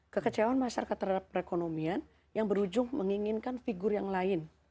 kekecewaan masyarakat terhadap perekonomian yang berujung menginginkan figur yang lain